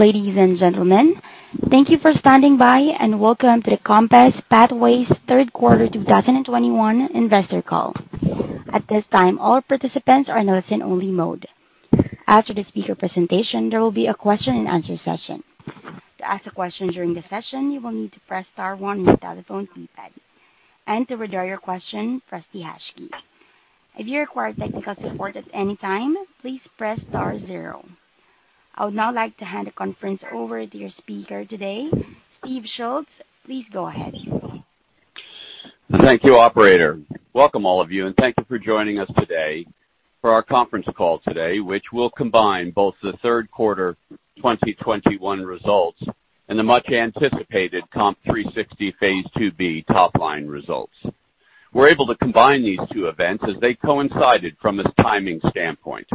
Ladies and gentlemen, thank you for standing by, and welcome to the COMPASS Pathways third quarter 2021 investor call. At this time, all participants are in listen only mode. After the speaker presentation, there will be a question and answer session. To ask a question during the session, you will need to press star one on your telephone keypad. To withdraw your question, press the hash key. If you require technical support at any time, please press star zero. I would now like to hand the conference over to your speaker today, Steve Schultz. Please go ahead, Steve. Thank you, operator. Welcome all of you, and thank you for joining us today for our conference call today, which will combine both the third quarter 2021 results and the much anticipated COMP360 phase IIb top line results. We're able to combine these two events as they coincided from a timing standpoint.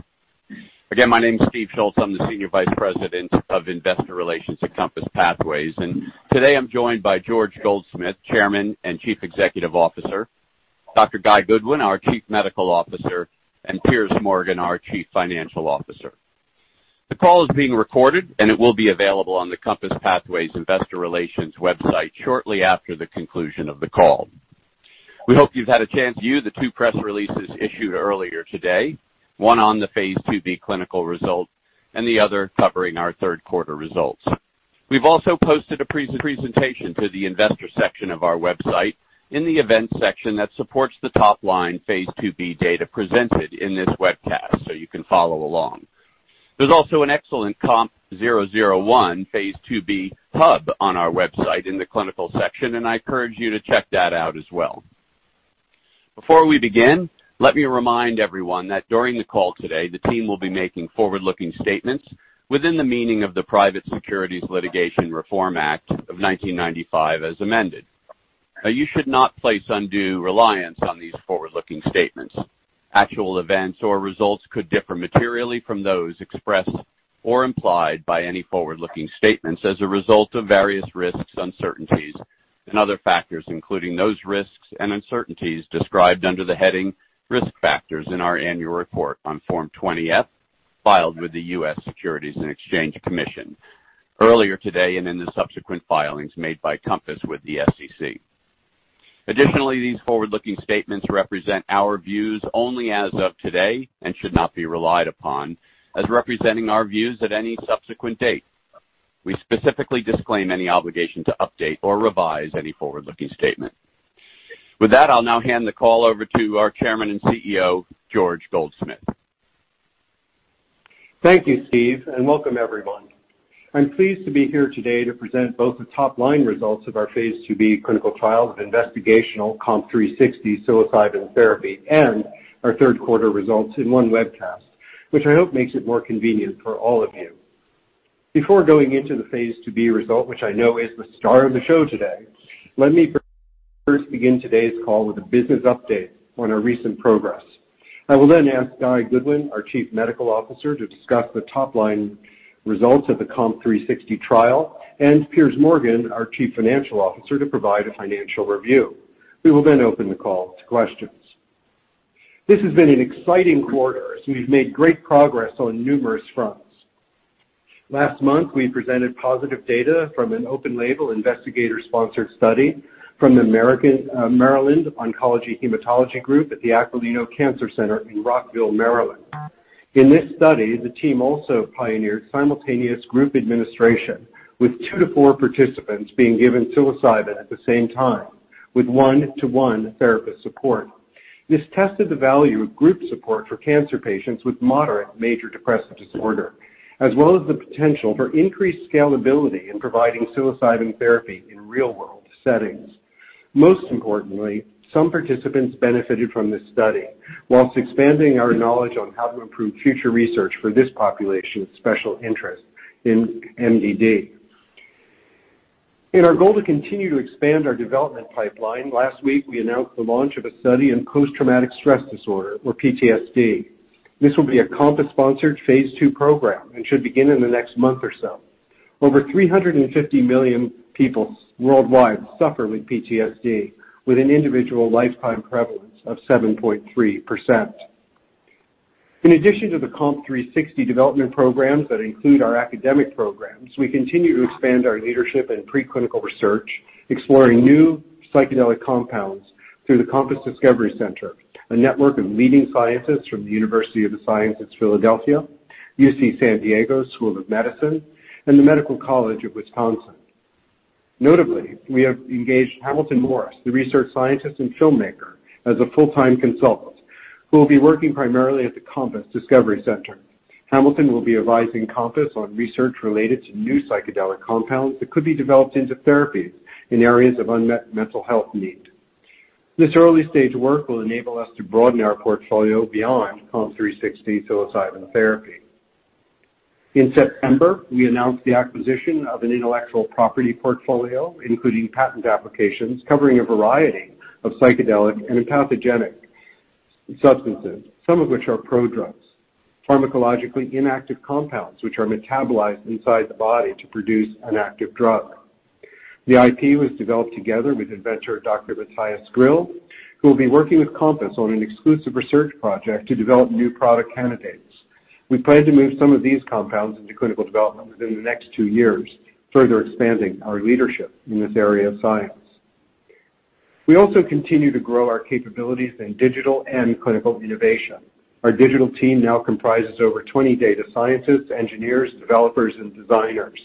Again, my name is Steve Schultz. I'm the Senior Vice President of Investor Relations at COMPASS Pathways, and today I'm joined by George Goldsmith, Chairman and Chief Executive Officer, Dr. Guy Goodwin, our Chief Medical Officer, and Piers Morgan, our Chief Financial Officer. The call is being recorded, and it will be available on the COMPASS Pathways investor relations website shortly after the conclusion of the call. We hope you've had a chance to view the two press releases issued earlier today. One on the phase IIb clinical results and the other covering our third quarter results. We've also posted a pre-presentation to the investor section of our website in the events section that supports the top line phase IIb data presented in this webcast, so you can follow along. There's also an excellent COMP001 phase IIb hub on our website in the clinical section, and I encourage you to check that out as well. Before we begin, let me remind everyone that during the call today, the team will be making forward-looking statements within the meaning of the Private Securities Litigation Reform Act of 1995 as amended. You should not place undue reliance on these forward-looking statements. Actual events or results could differ materially from those expressed or implied by any forward-looking statements as a result of various risks, uncertainties, and other factors, including those risks and uncertainties described under the heading Risk Factors in our annual report on Form 20-F, filed with the U.S. Securities and Exchange Commission earlier today and in the subsequent filings made by Compass with the SEC. Additionally, these forward-looking statements represent our views only as of today and should not be relied upon as representing our views at any subsequent date. We specifically disclaim any obligation to update or revise any forward-looking statement. With that, I'll now hand the call over to our Chairman and CEO, George Goldsmith. Thank you, Steve, and welcome everyone. I'm pleased to be here today to present both the top-line results of our phase IIb clinical trial of investigational COMP360 psilocybin therapy and our third quarter results in one webcast, which I hope makes it more convenient for all of you. Before going into the phase IIb result, which I know is the star of the show today, let me first begin today's call with a business update on our recent progress. I will then ask Guy Goodwin, our Chief Medical Officer, to discuss the top-line results of the COMP360 trial, and Piers Morgan, our Chief Financial Officer, to provide a financial review. We will then open the call to questions. This has been an exciting quarter as we've made great progress on numerous fronts. Last month, we presented positive data from an open label investigator sponsored study from the American, Maryland Oncology Hematology at the Aquilino Cancer Center in Rockville, Maryland. In this study, the team also pioneered simultaneous group administration, with two to four participants being given psilocybin at the same time with one-to-one therapist support. This tested the value of group support for cancer patients with moderate major depressive disorder, as well as the potential for increased scalability in providing psilocybin therapy in real-world settings. Most importantly, some participants benefited from this study whilst expanding our knowledge on how to improve future research for this population of special interest in MDD. In our goal to continue to expand our development pipeline, last week we announced the launch of a study in post-traumatic stress disorder or PTSD. This will be a COMPASS-sponsored phase II program and should begin in the next month or so. Over 350 million people worldwide suffer with PTSD with an individual lifetime prevalence of 7.3%. In addition to the COMP360 development programs that include our academic programs, we continue to expand our leadership in preclinical research, exploring new psychedelic compounds through the COMPASS Discovery Center, a network of leading scientists from the University of the Sciences in Philadelphia, UC San Diego School of Medicine, and the Medical College of Wisconsin. Notably, we have engaged Hamilton Morris, the research scientist and filmmaker, as a full-time consultant who will be working primarily at the COMPASS Discovery Center. Hamilton will be advising COMPASS on research related to new psychedelic compounds that could be developed into therapies in areas of unmet mental health need. This early-stage work will enable us to broaden our portfolio beyond COMP360 psilocybin therapy. In September, we announced the acquisition of an intellectual property portfolio, including patent applications covering a variety of psychedelic and pathogenic substances, some of which are prodrugs, pharmacologically inactive compounds which are metabolized inside the body to produce an active drug. The IP was developed together with inventor Dr. Matthias Grill, who will be working with Compass on an exclusive research project to develop new product candidates. We plan to move some of these compounds into clinical development within the next two years, further expanding our leadership in this area of science. We also continue to grow our capabilities in digital and clinical innovation. Our digital team now comprises over 20 data scientists, engineers, developers, and designers.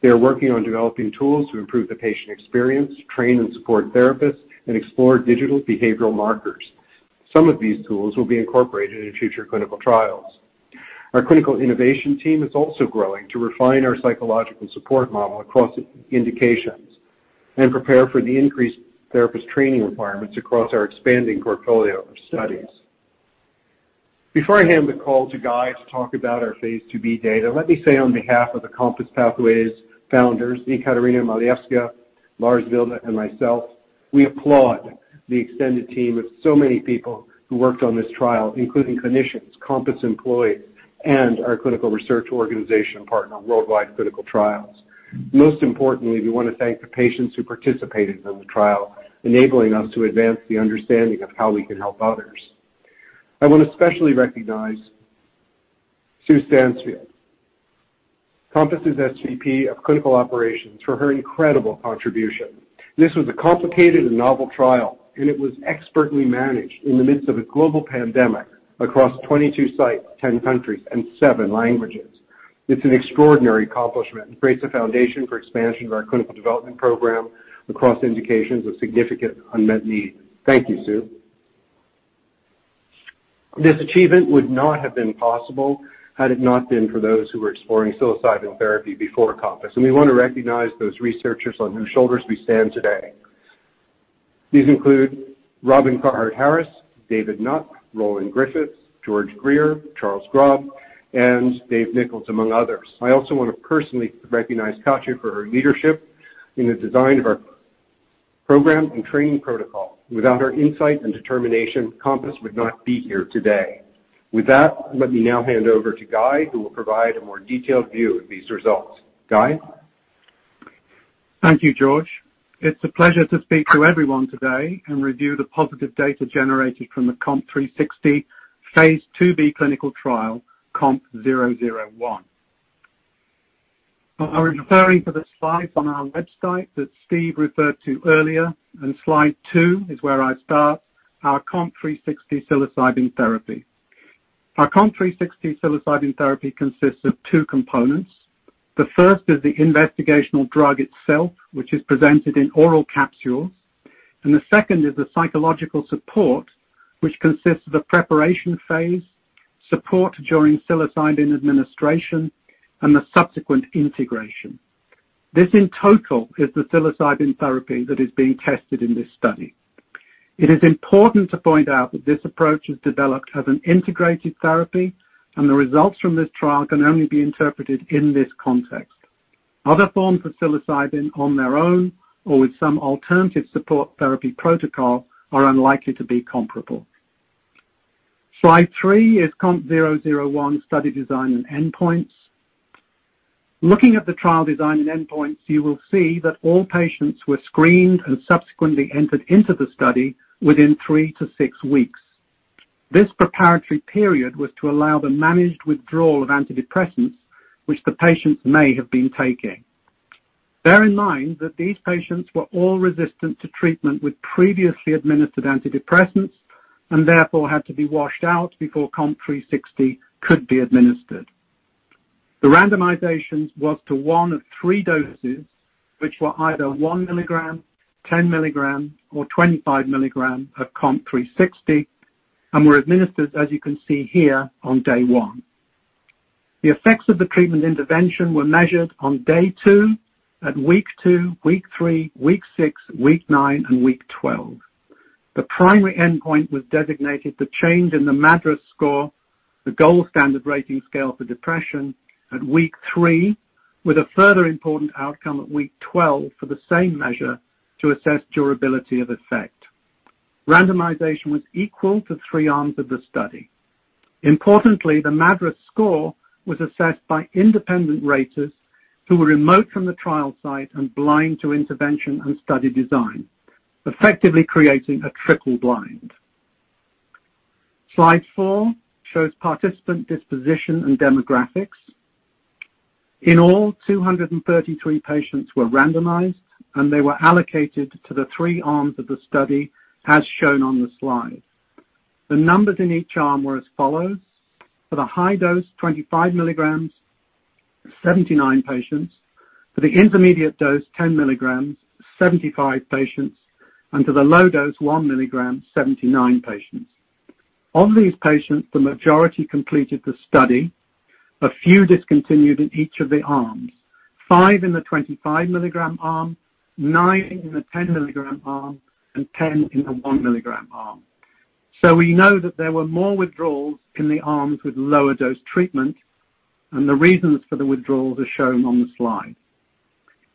They are working on developing tools to improve the patient experience, train and support therapists, and explore digital behavioral markers. Some of these tools will be incorporated into future clinical trials. Our clinical innovation team is also growing to refine our psychological support model across indications and prepare for the increased therapist training requirements across our expanding portfolio of studies. Before I hand the call to Guy to talk about our phase IIb data, let me say on behalf of the COMPASS Pathways founders, Ekaterina Malievskaia, Lars Wilde, and myself, we applaud the extended team of so many people who worked on this trial, including clinicians, COMPASS employees, and our clinical research organization partner, Worldwide Clinical Trials. Most importantly, we want to thank the patients who participated in the trial, enabling us to advance the understanding of how we can help others. I want to especially recognize Sue Stansfield, Compass's SVP of Clinical Operations, for her incredible contribution. This was a complicated and novel trial, and it was expertly managed in the midst of a global pandemic across 22 sites, 10 countries, and 7 languages. It's an extraordinary accomplishment and creates a foundation for expansion of our clinical development program across indications of significant unmet need. Thank you, Sue. This achievement would not have been possible had it not been for those who were exploring psilocybin therapy before Compass, and we want to recognize those researchers on whose shoulders we stand today. These include Robin Carhart-Harris, David Nutt, Roland Griffiths, George Greer, Charles Grob, and Dave Nichols, among others. I also want to personally recognize Katya for her leadership in the design of our program and training protocol. Without her insight and determination, Compass would not be here today. With that, let me now hand over to Guy, who will provide a more detailed view of these results. Guy? Thank you, George. It's a pleasure to speak to everyone today and review the positive data generated from the COMP360 phase IIb clinical trial, COMP001. I was referring to the slide on our website that Steve referred to earlier, and slide two is where I start our COMP360 psilocybin therapy. Our COMP360 psilocybin therapy consists of two components. The first is the investigational drug itself, which is presented in oral capsules, and the second is the psychological support, which consists of the preparation phase, support during psilocybin administration, and the subsequent integration. This in total is the psilocybin therapy that is being tested in this study. It is important to point out that this approach is developed as an integrated therapy, and the results from this trial can only be interpreted in this context. Other forms of psilocybin on their own or with some alternative support therapy protocol are unlikely to be comparable. Slide three is COMP001 study design and endpoints. Looking at the trial design and endpoints, you will see that all patients were screened and subsequently entered into the study within 3-6 weeks. This preparatory period was to allow the managed withdrawal of antidepressants which the patients may have been taking. Bear in mind that these patients were all resistant to treatment with previously administered antidepressants and therefore had to be washed out before COMP360 could be administered. The randomization was to 1 of 3 doses, which were either 1 mg, 10 mg, or 25 mg of COMP360 and were administered, as you can see here, on day one. The effects of the treatment intervention were measured on day two, at week two, week three, week six, week nine, and week 12. The primary endpoint was designated the change in the MADRS score, the gold standard rating scale for depression at week three, with a further important outcome at week 12 for the same measure to assess durability of effect. Randomization was equal to three arms of the study. Importantly, the MADRS score was assessed by independent raters who were remote from the trial site and blind to intervention and study design, effectively creating a triple blind. Slide four shows participant disposition and demographics. In all, 233 patients were randomized, and they were allocated to the three arms of the study, as shown on the slide. The numbers in each arm were as follows: for the high dose 25 milligrams, 79 patients; for the intermediate dose 10 milligrams, 75 patients; and for the low dose 1 milligram, 79 patients. Of these patients, the majority completed the study. A few discontinued in each of the arms. Five in the 25 milligram arm, nine in the 10 milligram arm, and ten in the 1 milligram arm. We know that there were more withdrawals in the arms with lower dose treatment, and the reasons for the withdrawals are shown on the slide.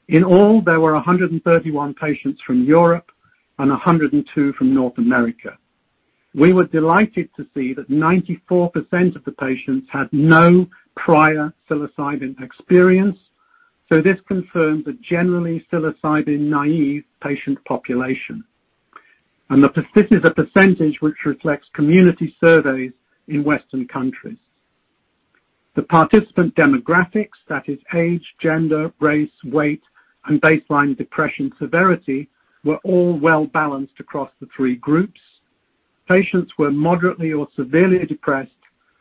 In all, there were 131 patients from Europe and 102 from North America. We were delighted to see that 94% of the patients had no prior psilocybin experience, so this confirms a generally psilocybin-naive patient population. This is a percentage which reflects community surveys in Western countries. The participant demographics, that is age, gender, race, weight, and baseline depression severity, were all well-balanced across the three groups. Patients were moderately or severely depressed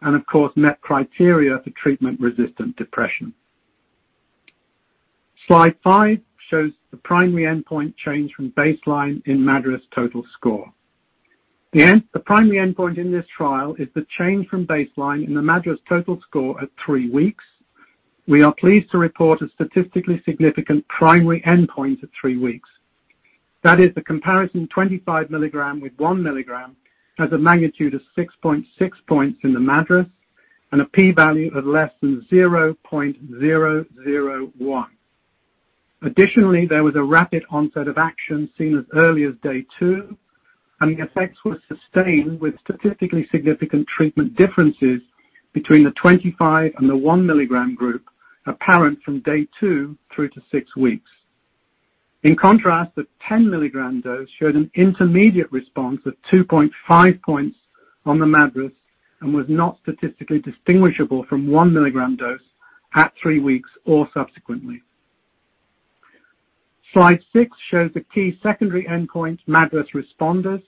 and of course, met criteria for treatment-resistant depression. Slide five shows the primary endpoint change from baseline in MADRS total score. The primary endpoint in this trial is the change from baseline in the MADRS total score at three weeks. We are pleased to report a statistically significant primary endpoint at three weeks. That is the comparison 25 mg with 1 mg has a magnitude of 6.6 points in the MADRS and a P value of less than 0.001. Additionally, there was a rapid onset of action seen as early as day two, and the effects were sustained with statistically significant treatment differences between the 25- and the 1 milligram group apparent from day two through to six weeks. In contrast, the 10 milligram dose showed an intermediate response of 2.5 points on the MADRS and was not statistically distinguishable from 1 milligram dose at three weeks or subsequently. Slide six shows the key secondary endpoint, MADRS responders.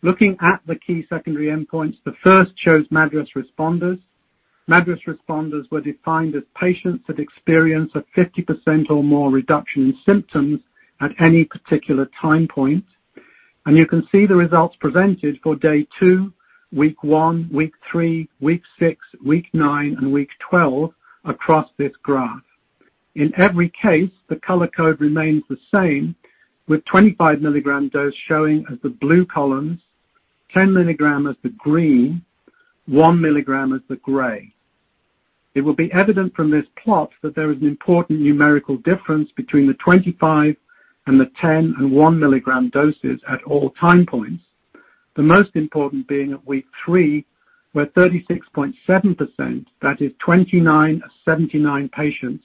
Looking at the key secondary endpoints, the first shows MADRS responders. MADRS responders were defined as patients that experience a 50% or more reduction in symptoms at any particular time point. You can see the results presented for day two, week 1, week 3, week 6, week 9, and week 12 across this graph. In every case, the color code remains the same, with 25 milligram dose showing as the blue columns, 10 milligram as the green, 1 milligram as the gray. It will be evident from this plot that there is an important numerical difference between the 25 and the 10 and 1 milligram doses at all time points. The most important being at week three, where 36.7%, that is 29 of 79 patients,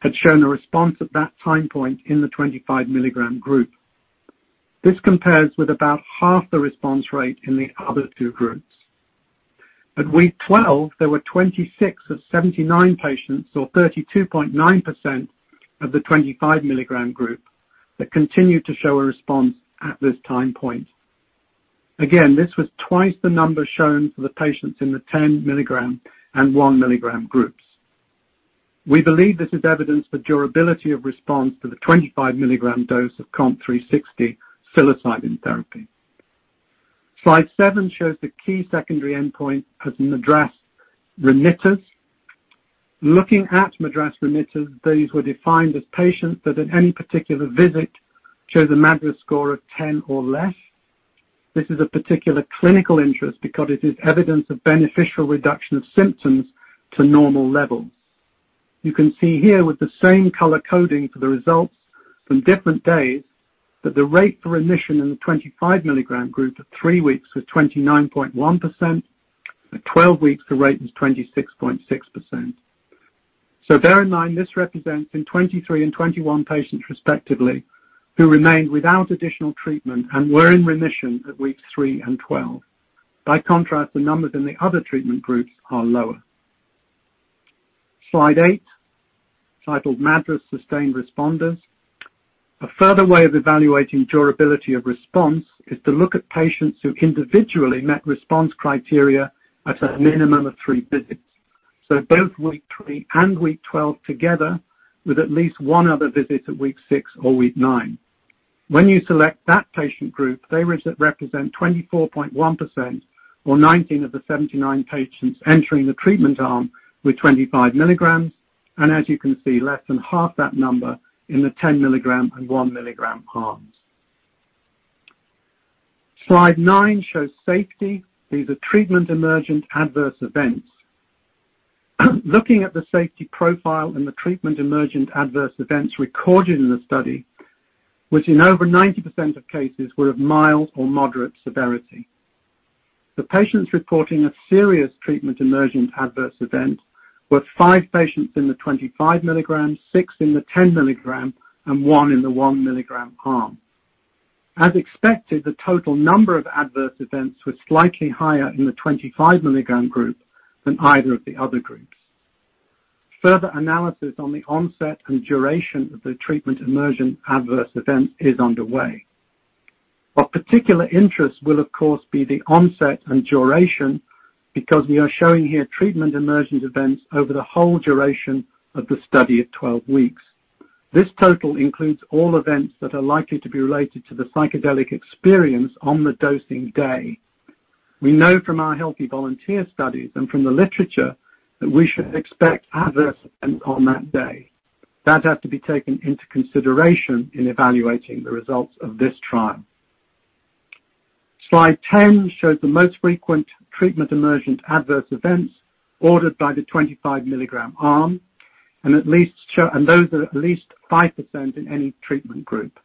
had shown a response at that time point in the 25 milligram group. This compares with about half the response rate in the other two groups. At week 12, there were 26 of 79 patients, or 32.9% of the 25 milligram group, that continued to show a response at this time point. Again, this was twice the number shown for the patients in the 10 milligram and 1 milligram groups. We believe this is evidence for durability of response to the 25 mg dose of COMP360 psilocybin therapy. Slide seven shows the key secondary endpoint as MADRS remitters. Looking at MADRS remitters, these were defined as patients that at any particular visit shows a MADRS score of 10 or less. This is of particular clinical interest because it is evidence of beneficial reduction of symptoms to normal levels. You can see here with the same color coding for the results from different days that the rate for remission in the 25 mg group at three weeks was 29.1%. At 12 weeks, the rate was 26.6%. Bear in mind this represents in 23 and 21 patients respectively, who remained without additional treatment and were in remission at weeks 3 and 12. By contrast, the numbers in the other treatment groups are lower. Slide eight, titled MADRS Sustained Responders. A further way of evaluating durability of response is to look at patients who individually met response criteria at a minimum of three visits, both week three and week 12 together with at least one other visit at week six or week nine. When you select that patient group, they represent 24.1% or 19 of the 79 patients entering the treatment arm with 25 milligrams, and as you can see, less than half that number in the 10 milligram and 1 milligram arms. Slide nine shows safety. These are treatment emergent adverse events. Looking at the safety profile and the treatment emergent adverse events recorded in the study, which in over 90% of cases were of mild or moderate severity. The patients reporting a serious treatment emergent adverse event were five patients in the 25 mg, 6 in the 10 mg, and 1 in the 1 mg arm. As expected, the total number of adverse events was slightly higher in the 25 mg group than either of the other groups. Further analysis on the onset and duration of the treatment emergent adverse event is underway. Of particular interest will of course be the onset and duration because we are showing here treatment emergent events over the whole duration of the study at 12 weeks. This total includes all events that are likely to be related to the psychedelic experience on the dosing day. We know from our healthy volunteer studies and from the literature that we should expect adverse events on that day. That has to be taken into consideration in evaluating the results of this trial. Slide ten shows the most frequent treatment emergent adverse events ordered by the 25 milligram arm. Those are at least 5% in any treatment group.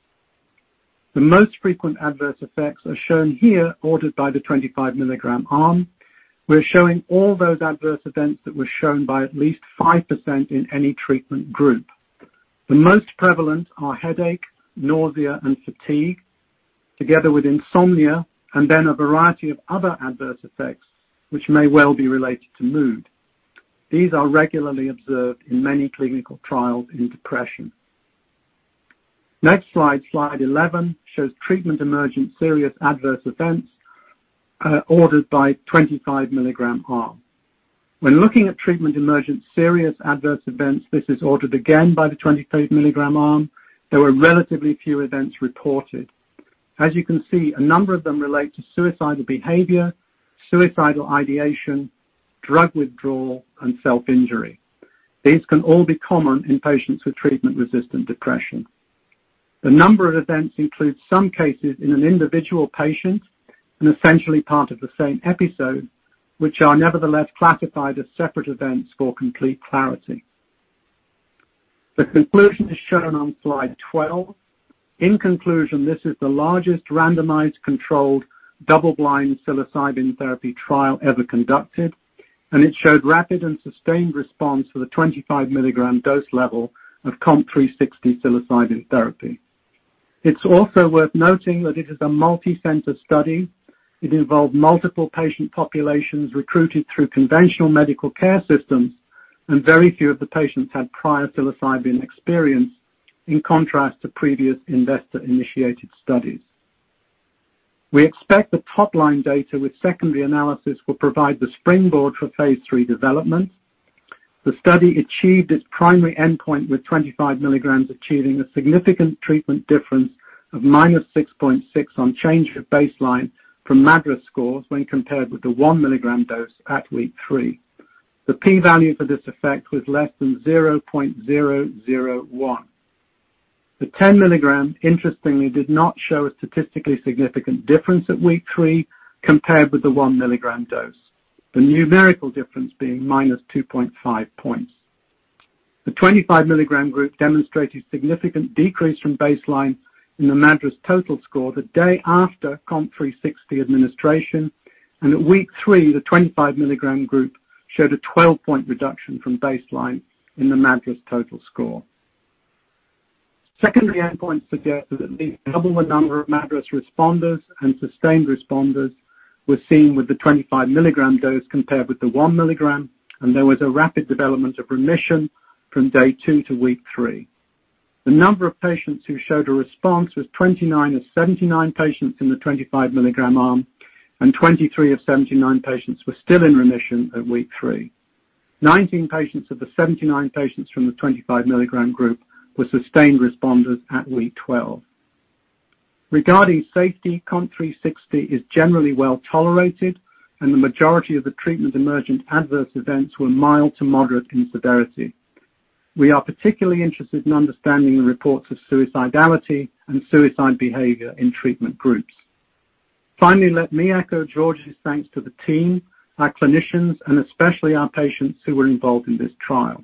The most frequent adverse effects are shown here ordered by the 25 milligram arm. We're showing all those adverse events that were shown by at least 5% in any treatment group. The most prevalent are headache, nausea, and fatigue, together with insomnia, and then a variety of other adverse effects which may well be related to mood. These are regularly observed in many clinical trials in depression. Next slide, Slide 11, shows treatment emergent serious adverse events ordered by 25 milligram arm. When looking at treatment emergent serious adverse events, this is ordered again by the 25 milligram arm. There were relatively few events reported. As you can see, a number of them relate to suicidal behavior, suicidal ideation, drug withdrawal, and self-injury. These can all be common in patients with treatment-resistant depression. The number of events includes some cases in an individual patient and essentially part of the same episode, which are nevertheless classified as separate events for complete clarity. The conclusion is shown on slide 12. In conclusion, this is the largest randomized controlled double-blind psilocybin therapy trial ever conducted, and it showed rapid and sustained response for the 25 milligram dose level of COMP360 psilocybin therapy. It's also worth noting that it is a multi-center study. It involved multiple patient populations recruited through conventional medical care systems, and very few of the patients had prior psilocybin experience, in contrast to previous investor-initiated studies. We expect the top-line data with secondary analysis will provide the springboard for phase III development. The study achieved its primary endpoint, with 25 milligrams achieving a significant treatment difference of -6.6 on change of baseline from MADRS scores when compared with the 1 milligram dose at week three. The P value for this effect was less than 0.001. The 10 milligram, interestingly, did not show a statistically significant difference at week three compared with the 1 milligram dose. The numerical difference being -2.5 points. The 25 milligram group demonstrated significant decrease from baseline in the MADRS total score the day after COMP360 administration. At week 3, the 25 milligram group showed a 12-point reduction from baseline in the MADRS total score. Secondary endpoints suggested that at least double the number of MADRS responders and sustained responders were seen with the 25 mg dose compared with the 1 mg, and there was a rapid development of remission from day two to week three. The number of patients who showed a response was 29 of 79 patients in the 25 mg arm, and 23 of 79 patients were still in remission at week three. Nineteen patients of the 79 patients from the 25 mg group were sustained responders at week 12. Regarding safety, COMP360 is generally well-tolerated, and the majority of the treatment-emergent adverse events were mild to moderate in severity. We are particularly interested in understanding the reports of suicidality and suicidal behavior in treatment groups. Finally, let me echo George's thanks to the team, our clinicians, and especially our patients who were involved in this trial.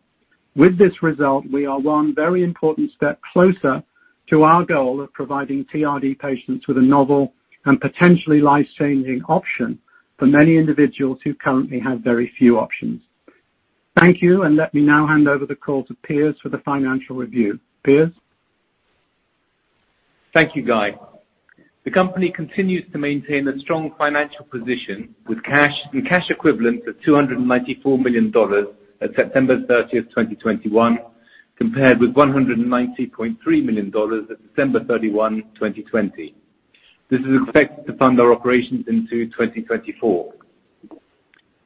With this result, we are one very important step closer to our goal of providing TRD patients with a novel and potentially life-changing option for many individuals who currently have very few options. Thank you, and let me now hand over the call to Piers for the financial review. Piers? Thank you, Guy. The company continues to maintain a strong financial position with cash and cash equivalents of $294 million at September 30, 2021, compared with $190.3 million at December 31, 2020. This is expected to fund our operations into 2024.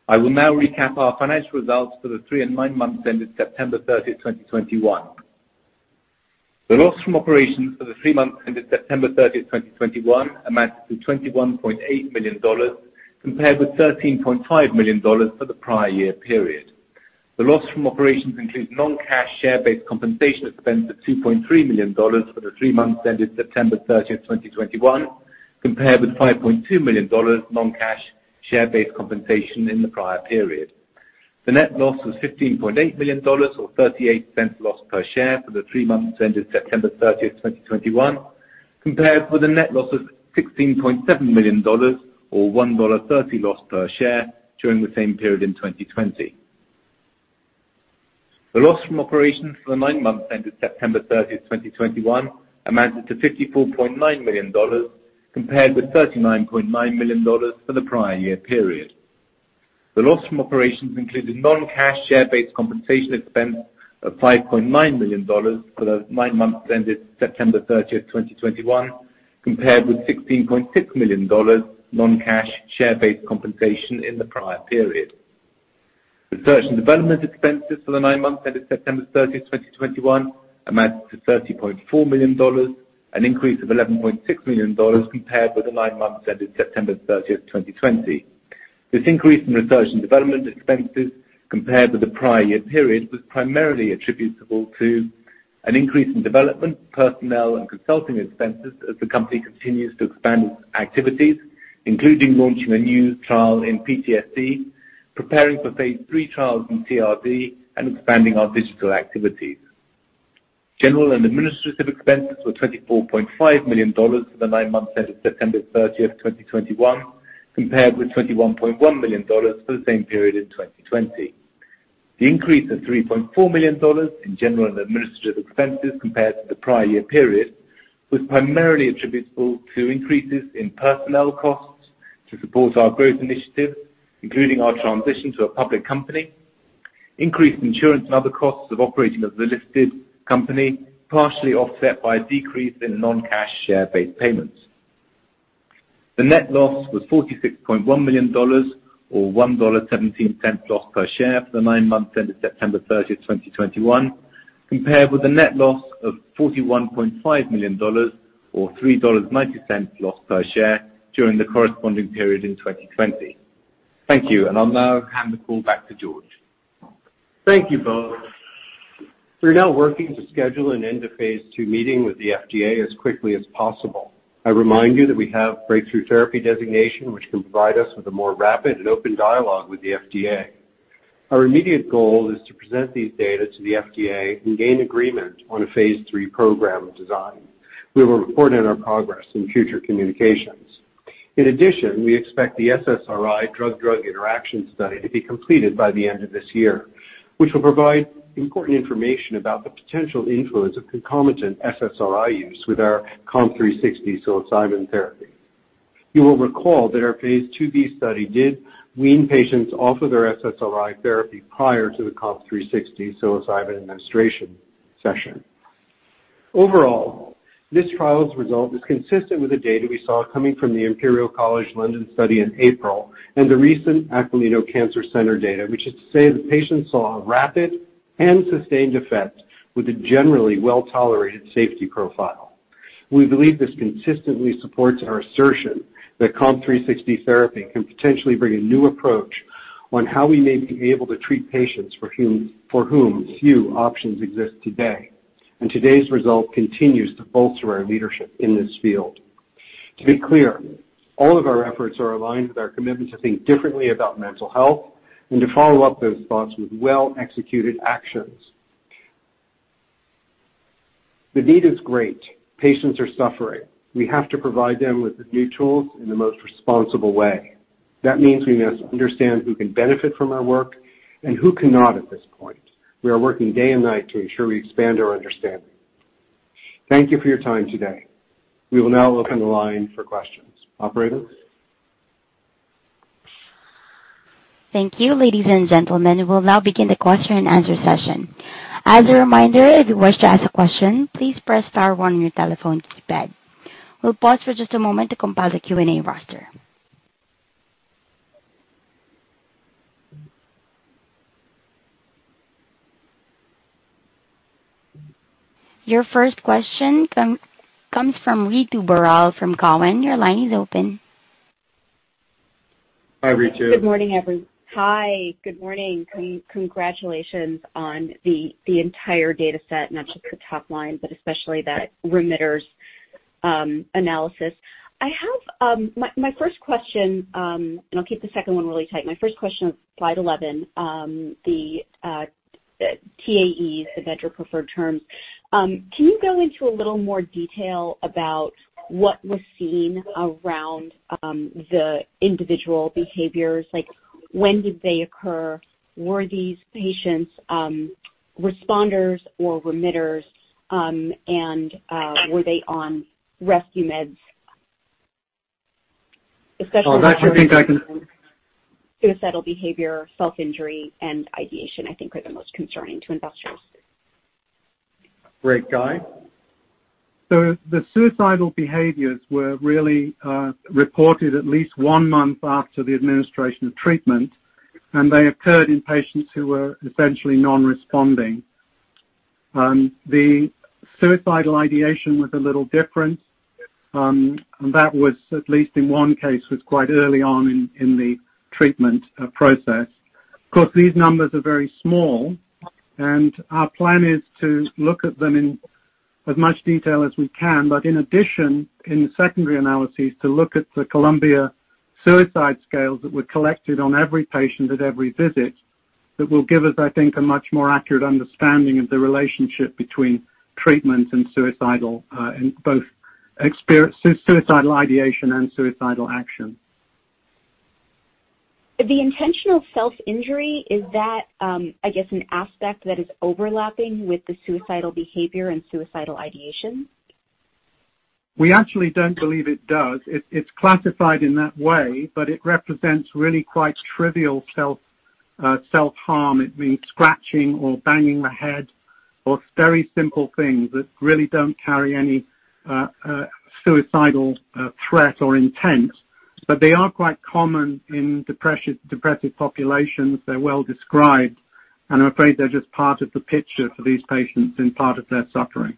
I will now recap our financial results for the three and nine months ended September 30, 2021. The loss from operations for the three months ended September 30, 2021, amounted to $21.8 million, compared with $13.5 million for the prior year period. The loss from operations includes non-cash share-based compensation expense of $2.3 million for the three months ended September 30, 2021, compared with five point two million dollars non-cash share-based compensation in the prior period. The net loss was $15.8 million or $0.38 loss per share for the three months ended September 30, 2021, compared with a net loss of $16.7 million or $1.30 loss per share during the same period in 2020. The loss from operations for the nine months ended September 30, 2021, amounted to $54.9 million, compared with $39.9 million for the prior year period. The loss from operations included non-cash share-based compensation expense of $5.9 million for the nine months ended September 30, 2021, compared with $16.6 million non-cash share-based compensation in the prior period. The research and development expenses for the nine months ended September 30, 2021, amounted to $30.4 million, an increase of $11.6 million compared with the nine months ended September 30, 2020. This increase in research and development expenses compared with the prior year period was primarily attributable to an increase in development, personnel and consulting expenses as the company continues to expand its activities, including launching a new trial in PTSD, preparing for phase III trials in TRD, and expanding our digital activities. General and administrative expenses were $24.5 million for the nine months ended September 30, 2021, compared with $21.1 million for the same period in 2020. The increase of $3.4 million in general and administrative expenses compared to the prior year period was primarily attributable to increases in personnel costs to support our growth initiatives, including our transition to a public company, increased insurance and other costs of operating as a listed company, partially offset by a decrease in non-cash share-based payments. The net loss was $46.1 million or $1.17 loss per share for the nine months ended September 30, 2021, compared with a net loss of $41.5 million or $3.90 loss per share during the corresponding period in 2020. Thank you. I'll now hand the call back to George. Thank you, Both. We're now working to schedule an end-of-phase II meeting with the FDA as quickly as possible. I remind you that we have Breakthrough Therapy designation, which can provide us with a more rapid and open dialogue with the FDA. Our immediate goal is to present these data to the FDA and gain agreement on a phase III program design. We will report on our progress in future communications. In addition, we expect the SSRI drug-drug interaction study to be completed by the end of this year, which will provide important information about the potential influence of concomitant SSRI use with our COMP360 psilocybin therapy. You will recall that our phase IIb study did wean patients off of their SSRI therapy prior to the COMP360 psilocybin administration session. Overall, this trial's result is consistent with the data we saw coming from the Imperial College London study in April and the recent Aquilino Cancer Center data, which is to say the patients saw a rapid and sustained effect with a generally well-tolerated safety profile. We believe this consistently supports our assertion that COMP360 therapy can potentially bring a new approach on how we may be able to treat patients for whom few options exist today. Today's result continues to bolster our leadership in this field. To be clear, all of our efforts are aligned with our commitment to think differently about mental health and to follow up those thoughts with well-executed actions. The need is great. Patients are suffering. We have to provide them with the new tools in the most responsible way. That means we must understand who can benefit from our work and who cannot at this point. We are working day and night to ensure we expand our understanding. Thank you for your time today. We will now open the line for questions. Operator. Thank you, ladies and gentlemen. We will now begin the question and answer session. As a reminder, if you wish to ask a question, please press star one on your telephone keypad. We'll pause for just a moment to compile the Q&A roster. Your first question comes from Ritu Baral from Cowen. Your line is open. Hi, Ritu. Good morning. Hi. Good morning. Congratulations on the entire data set, not just the top line, but especially that remitters analysis. I have my first question, and I'll keep the second one really tight. My first question is slide 11, the TAEs, the vendor preferred terms. Can you go into a little more detail about what was seen around the individual behaviors, like when did they occur? Were these patients responders or remitters? And were they on rescue meds? Especially- Oh, that's something I can- Suicidal behavior, self-injury, and ideation, I think are the most concerning to investors. Great. Guy? The suicidal behaviors were really reported at least one month after the administration of treatment, and they occurred in patients who were essentially non-responding. The suicidal ideation was a little different. That was, at least in one case, quite early on in the treatment process. Of course, these numbers are very small and our plan is to look at them in as much detail as we can. In addition, in the secondary analysis, to look at the Columbia suicide scales that were collected on every patient at every visit, that will give us, I think, a much more accurate understanding of the relationship between treatment and suicidal ideation and suicidal action. The intentional self-injury is that, I guess an aspect that is overlapping with the suicidal behavior and suicidal ideation? We actually don't believe it does. It, it's classified in that way, but it represents really quite trivial self-harm. It means scratching or banging the head or very simple things that really don't carry any suicidal threat or intent. They are quite common in depressive populations. They're well-described, and I'm afraid they're just part of the picture for these patients and part of their suffering.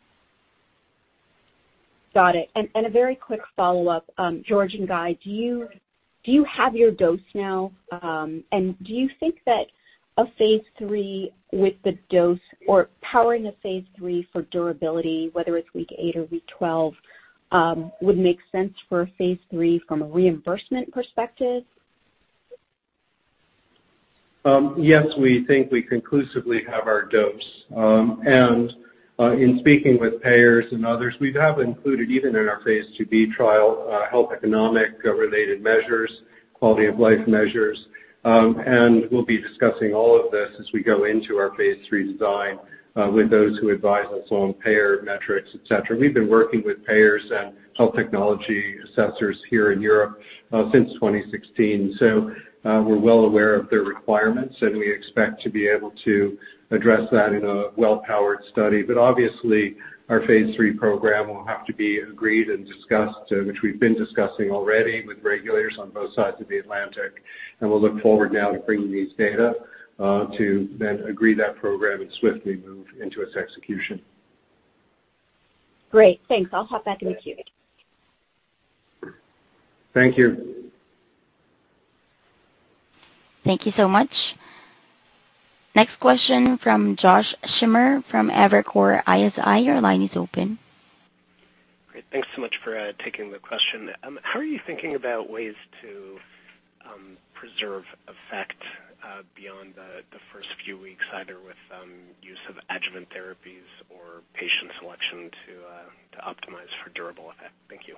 Got it. A very quick follow-up. George and Guy, do you have your dose now? Do you think that a phase III with the dose or powering a phase III for durability, whether it's week eight or week 12, would make sense for phase III from a reimbursement perspective? Yes, we think we conclusively have our dose. In speaking with payers and others, we have included even in our phase IIb trial, health economic related measures, quality of life measures. We'll be discussing all of this as we go into our phase III design, with those who advise us on payer metrics, et cetera. We've been working with payers and health technology assessors here in Europe, since 2016. We're well aware of their requirements, and we expect to be able to address that in a well-powered study. Obviously, our phase III program will have to be agreed and discussed, which we've been discussing already with regulators on both sides of the Atlantic. We'll look forward now to bringing these data, to then agree that program and swiftly move into its execution. Great. Thanks. I'll hop back in queue. Thank you. Thank you so much. Next question from Josh Schimmer from Evercore ISI. Your line is open. Great. Thanks so much for taking the question. How are you thinking about ways to preserve effect beyond the first few weeks, either with use of adjuvant therapies or patient selection to optimize for durable effect? Thank you.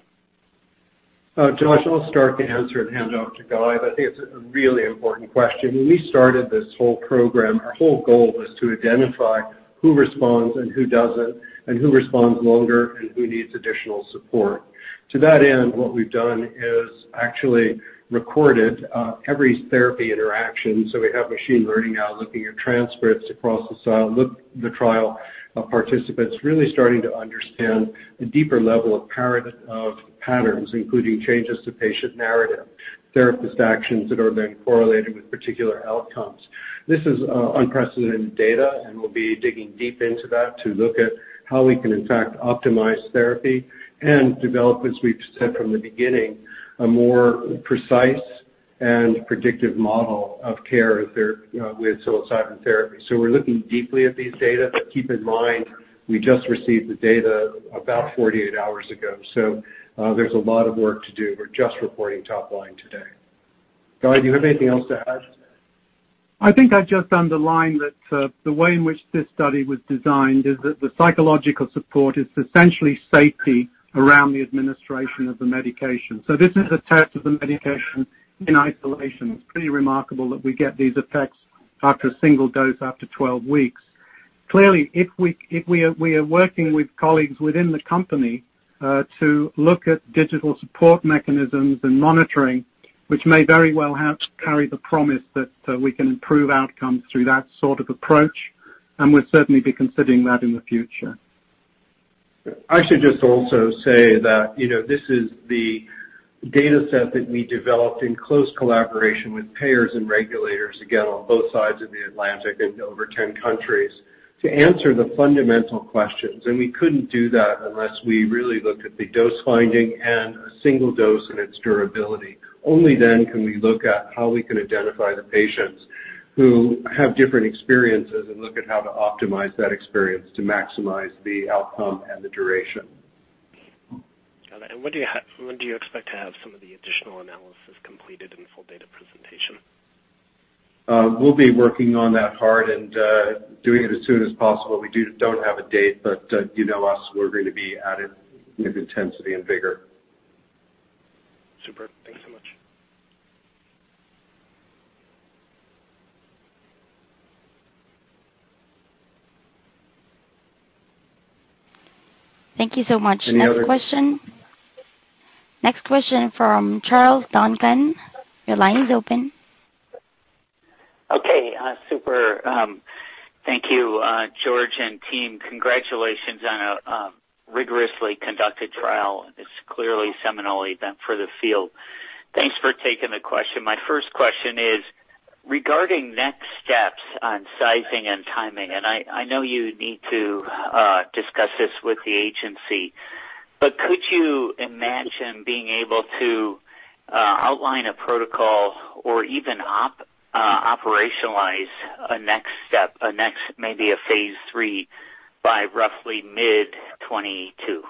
Josh, I'll start the answer and hand off to Guy. I think it's a really important question. When we started this whole program, our whole goal was to identify who responds and who doesn't, and who responds longer and who needs additional support. To that end, what we've done is actually recorded every therapy interaction. We have machine learning now looking at transcripts across the trial of participants, really starting to understand the deeper level of patterns, including changes to patient narrative, therapist actions that are then correlated with particular outcomes. This is unprecedented data, and we'll be digging deep into that to look at how we can in fact optimize therapy and develop, as we've said from the beginning, a more precise and predictive model of care with psilocybin therapy. We're looking deeply at these data. Keep in mind, we just received the data about 48 hours ago. There's a lot of work to do. We're just reporting top line today. Guy, do you have anything else to add? I think I'd just underline that, the way in which this study was designed is that the psychological support is essentially safety around the administration of the medication. So this is a test of the medication in isolation. It's pretty remarkable that we get these effects after a single dose up to 12 weeks. Clearly, if we are working with colleagues within the company, to look at digital support mechanisms and monitoring, which may very well carry the promise that we can improve outcomes through that sort of approach. We'll certainly be considering that in the future. I should just also say that, you know, this is the data set that we developed in close collaboration with payers and regulators, again, on both sides of the Atlantic and over 10 countries to answer the fundamental questions. We couldn't do that unless we really looked at the dose finding and a single dose and its durability. Only then can we look at how we can identify the patients who have different experiences and look at how to optimize that experience to maximize the outcome and the duration. Got it. When do you expect to have some of the additional analysis completed in full data presentation? We'll be working on that hard and doing it as soon as possible. We don't have a date, but you know us, we're going to be at it with intensity and vigor. Super. Thanks so much. Thank you so much. Any other- Next question. Next question from Charles Duncan. Your line is open. Okay. Super. Thank you, George and team. Congratulations on a rigorously conducted trial. It's clearly a seminal event for the field. Thanks for taking the question. My first question is regarding next steps on sizing and timing, and I know you need to discuss this with the agency. Could you imagine being able to outline a protocol or even operationalize a next step, maybe a phase III by roughly mid-2022?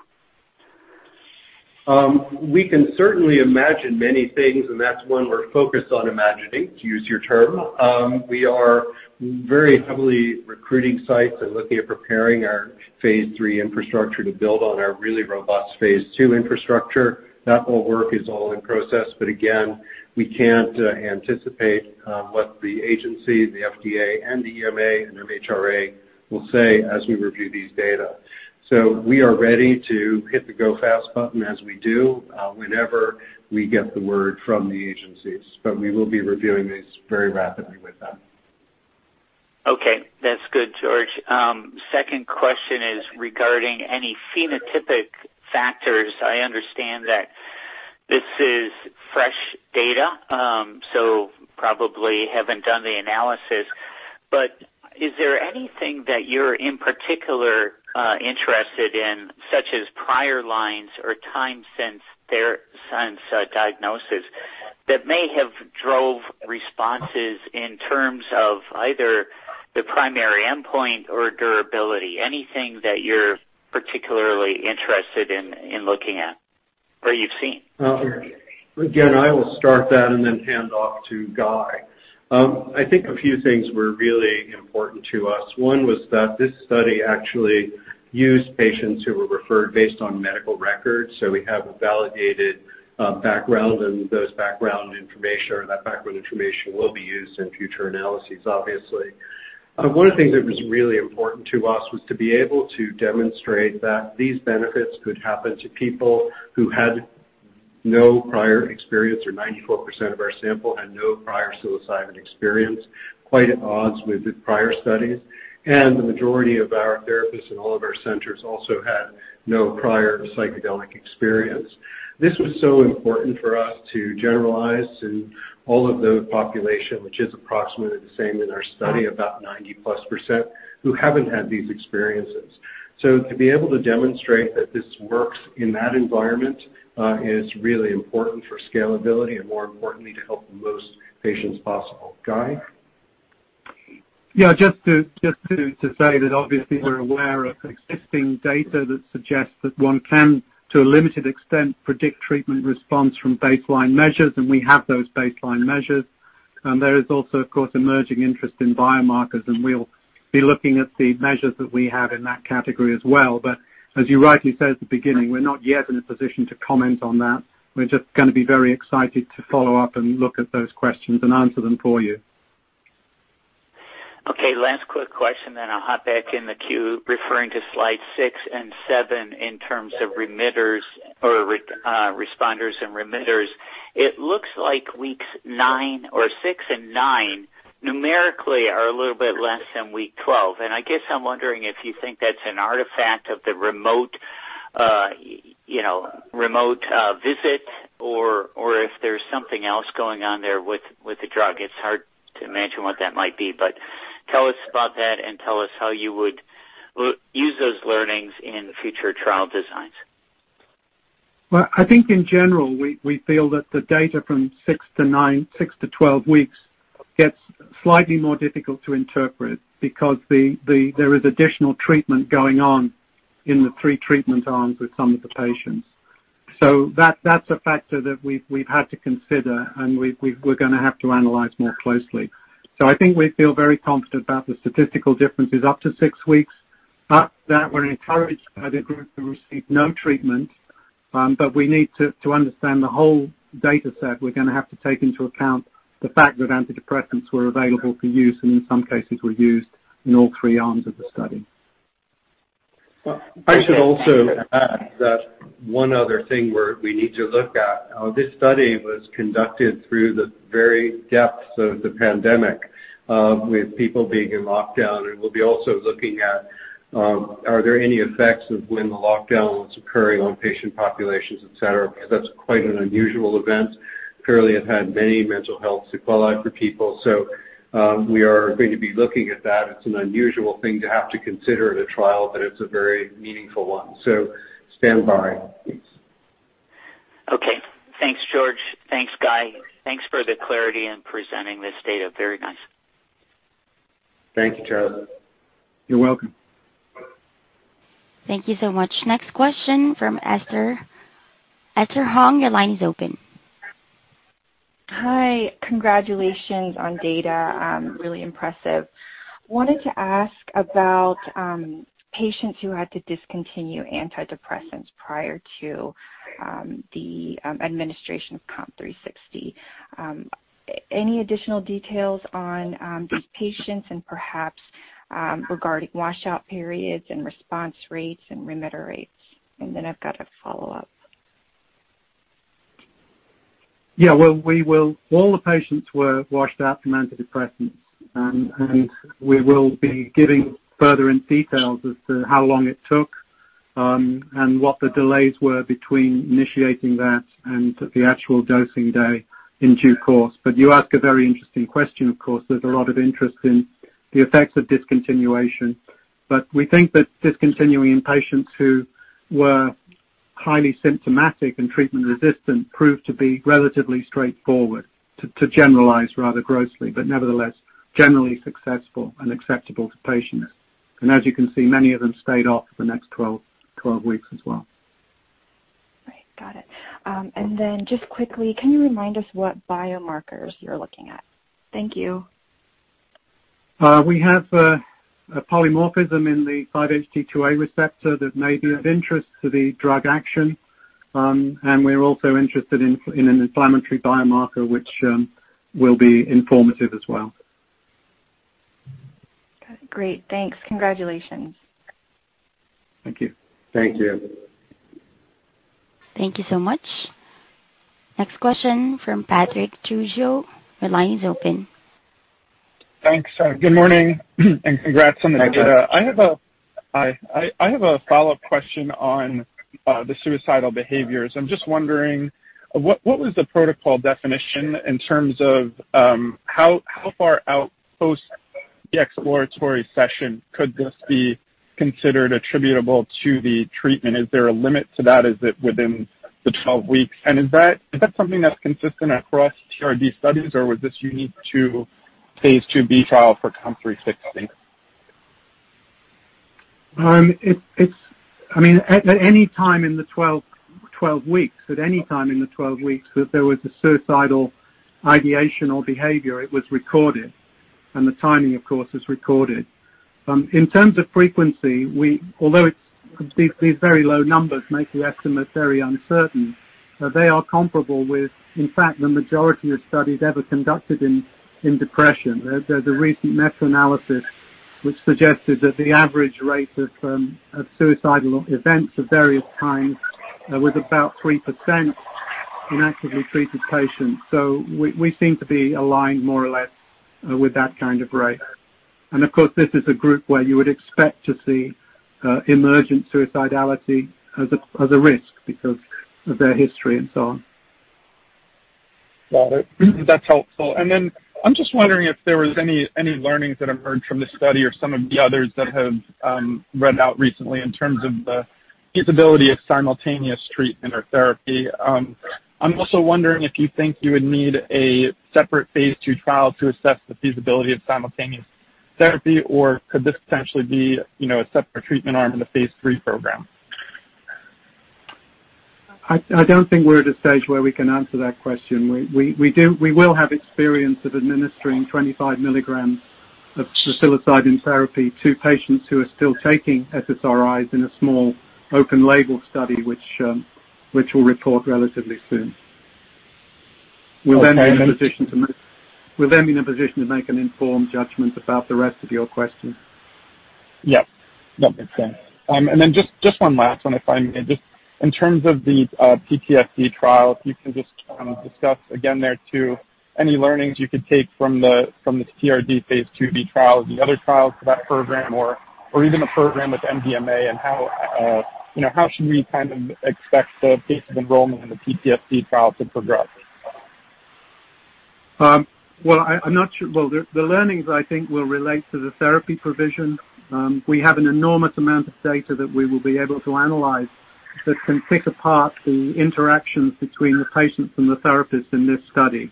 We can certainly imagine many things, and that's one we're focused on imagining, to use your term. We are very heavily recruiting sites and looking at preparing our phase III infrastructure to build on our really robust phase II infrastructure. That all work is in process, but again, we can't anticipate what the agency, the FDA and the EMA and MHRA will say as we review these data. We are ready to hit the go fast button as we do whenever we get the word from the agencies. We will be reviewing these very rapidly with them. Okay. That's good, George. Second question is regarding any phenotypic factors. I understand that this is fresh data, so probably haven't done the analysis. But is there anything that you're in particular interested in, such as prior lines or time since diagnosis that may have drove responses in terms of either the primary endpoint or durability? Anything that you're particularly interested in looking at or you've seen. Again, I will start that and then hand off to Guy. I think a few things were really important to us. One was that this study actually used patients who were referred based on medical records. We have a validated background, and that background information will be used in future analyses, obviously. One of the things that was really important to us was to be able to demonstrate that these benefits could happen to people who had no prior experience, or 94% of our sample had no prior psilocybin experience, quite at odds with the prior studies. The majority of our therapists in all of our centers also had no prior psychedelic experience. This was so important for us to generalize to all of the population, which is approximately the same in our study, about 90%+, who haven't had these experiences. To be able to demonstrate that this works in that environment is really important for scalability and more importantly, to help the most patients possible. Guy? Yeah. Just to say that obviously we're aware of existing data that suggests that one can, to a limited extent, predict treatment response from baseline measures, and we have those baseline measures. There is also, of course, emerging interest in biomarkers, and we'll be looking at the measures that we have in that category as well. As you rightly said at the beginning, we're not yet in a position to comment on that. We're just gonna be very excited to follow up and look at those questions and answer them for you. Okay, last quick question, then I'll hop back in the queue. Referring to slide six and seven, in terms of remitters or responders and remitters, it looks like weeks nine or six and nine numerically are a little bit less than week 12. I guess I'm wondering if you think that's an artifact of the remote visit or if there's something else going on there with the drug. It's hard to imagine what that might be, but tell us about that and tell us how you would use those learnings in future trial designs. Well, I think in general, we feel that the data from 6 to 12 weeks gets slightly more difficult to interpret because there is additional treatment going on in the three treatment arms with some of the patients. That's a factor that we've had to consider and we're gonna have to analyze more closely. I think we feel very confident about the statistical differences up to six weeks. After that, we're encouraged by the group who received no treatment, but we need to understand the whole data set. We're gonna have to take into account the fact that antidepressants were available for use and in some cases were used in all three arms of the study. I should also add that one other thing we need to look at. This study was conducted through the very depths of the pandemic with people being in lockdown. We'll be also looking at are there any effects of when the lockdown was occurring on patient populations, et cetera, because that's quite an unusual event. Clearly, it had many mental health sequelae for people. We are going to be looking at that. It's an unusual thing to have to consider in a trial, but it's a very meaningful one. Stand by, please. Okay. Thanks, George. Thanks, Guy. Thanks for the clarity in presenting this data. Very nice. Thank you, Charlie. You're welcome. Thank you so much. Next question from Esther Hong. Esther Hong, your line is open. Hi. Congratulations on data. Really impressive. Wanted to ask about patients who had to discontinue antidepressants prior to the administration of COMP360. Any additional details on these patients and perhaps regarding washout periods and response rates and remitter rates? I've got a follow-up. Yeah. Well, all the patients were washed out from antidepressants, and we will be giving further in details as to how long it took, and what the delays were between initiating that and the actual dosing day in due course. You ask a very interesting question, of course. There's a lot of interest in the effects of discontinuation. We think that discontinuing in patients who were highly symptomatic and treatment resistant proved to be relatively straightforward to generalize rather grossly, but nevertheless generally successful and acceptable to patients. As you can see, many of them stayed off for the next 12 weeks as well. Right. Got it. Just quickly, can you remind us what biomarkers you're looking at? Thank you. We have a polymorphism in the 5-HT2A receptor that may be of interest to the drug action. We're also interested in an inflammatory biomarker which will be informative as well. Got it. Great. Thanks. Congratulations. Thank you. Thank you. Thank you so much. Next question from Patrick Trucchio. Your line is open. Thanks. Good morning and congrats on the data. Hi, Patrick. I have a follow-up question on the suicidal behaviors. I'm just wondering, what was the protocol definition in terms of how far out post the exploratory session could this be considered attributable to the treatment? Is there a limit to that? Is it within the 12 weeks? Is that something that's consistent across TRD studies or was this unique to phase IIb trial for COMP360? I mean, at any time in the 12 weeks that there was a suicidal ideation or behavior, it was recorded, and the timing, of course, is recorded. In terms of frequency, although these very low numbers make the estimate very uncertain, but they are comparable with, in fact, the majority of studies ever conducted in depression. The recent meta-analysis which suggested that the average rate of suicidal events of various kinds was about 3% in actively treated patients. We seem to be aligned more or less with that kind of rate. Of course, this is a group where you would expect to see emergent suicidality as a risk because of their history and so on. Got it. That's helpful. I'm just wondering if there was any learnings that emerged from this study or some of the others that have read out recently in terms of the feasibility of simultaneous treatment or therapy. I'm also wondering if you think you would need a separate phase II trial to assess the feasibility of simultaneous therapy or could this potentially be, you know, a separate treatment arm in the phase III program? I don't think we're at a stage where we can answer that question. We will have experience of administering 25 milligrams of psilocybin therapy to patients who are still taking SSRIs in a small open label study, which we'll report relatively soon. Okay. We'll then be in a position to make an informed judgment about the rest of your question. Yeah. No, makes sense. Just one last one if I may. Just in terms of the PTSD trial, if you can just discuss again there too any learnings you could take from this TRD phase IIb trial, the other trials for that program or even a program with MDMA and how you know how should we kind of expect the pace of enrollment in the PTSD trial to progress? The learnings I think will relate to the therapy provision. We have an enormous amount of data that we will be able to analyze that can pick apart the interactions between the patients and the therapists in this study.